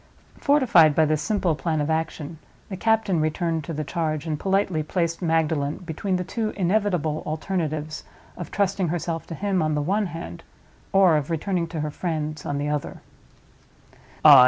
Fortified by this simple plan of action, the captain returned to the charge, and politely placed Magdalen between the two inevitable alternatives of trusting herself to him, on the one hand, or of returning to her friends, on the other.